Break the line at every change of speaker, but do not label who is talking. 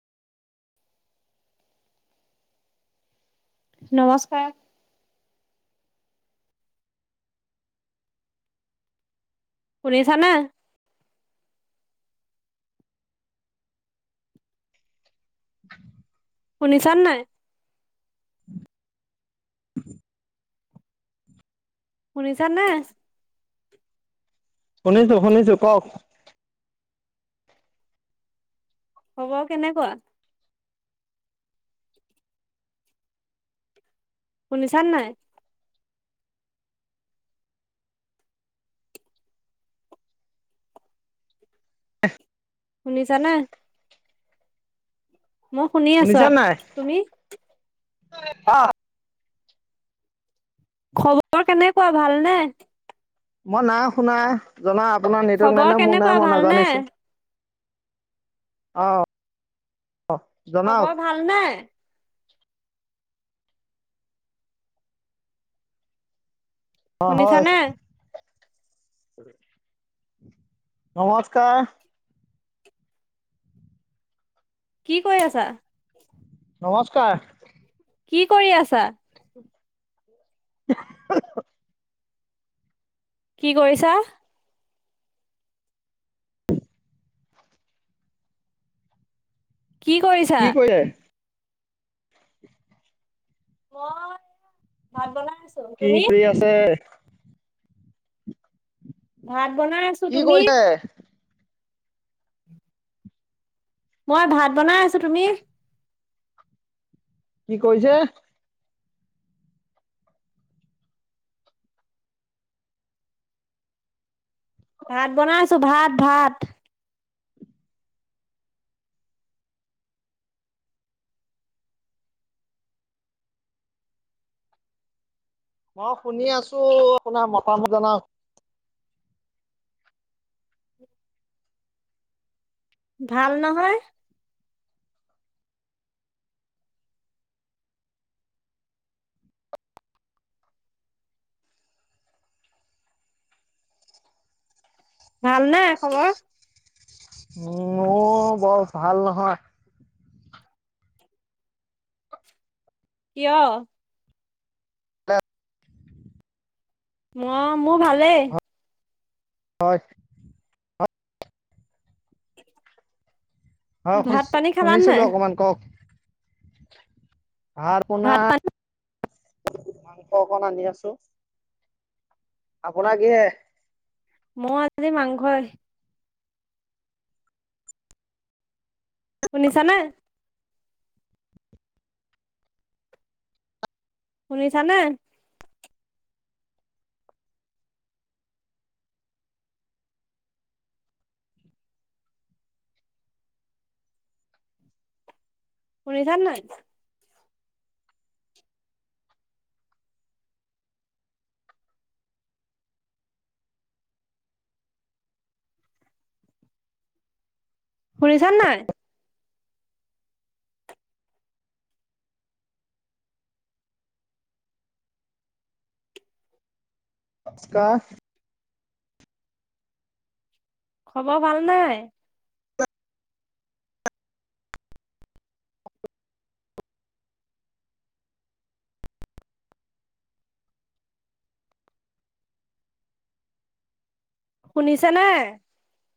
নমস্কাৰ শছান নিচান নাই শুনিছা নে
শুনিছো শুনিছো কওক
হ'ব কেনেকুৱা শনিচান নাই শননিছ ন মই শুনি আছ তুমি
অ
খবৰ কেনেকুৱা ভালনেে
মই না শুনা জনা আপোনাৰ নেটৱৰ্ক নাই
খবৰ
নাই মোৰ নাই
কেনেকুৱা
মই
ভালনে
নাজানিছোঁ আহ
খবৰ ভাল ন
অ হয়
শুনিছানে
নমস্কাৰ।
কি কৈ আছা?
নমস্কাৰ।
কি কৰি আছা? কি কৰিছা? কি কৰিছা?
কি কৰিছে
ম
কি কৰি আছে?
ভাদ বনাই আছো
কি
তুমি?
কৰিছে
মই ভাত বনাই আছো, তুমি?
কি কৈছে?
ভাত বনাইছো, ভাত, ভাত।
ম শুনি আছো আপোনাৰ মতামত জনাও।
ভাল নহয়? ভাল নাই খবৰ?
উম, মোৰ বৰ ভাল নহয়।
কিয়? ম মোৰ ভালেই।
হয়। হ
ভাত পানী খালা
শুনিছো-শুনিছিলো
নাই
অকমান কওক। ভাত আপোনাৰ। মাংস অকণ আনি আছো, আপোনাৰ কিহে?
ম আজি মাংসই শুনিছা নে? শুনিছানে? শুনিছানে নাই? ফুৰিছান নাই?
কা
খবৰ ভাল নাই? শুনিছ নে?